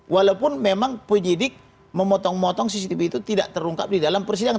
walaupun memang penyidik memotong motong cctv itu tidak terungkap di dalam persidangan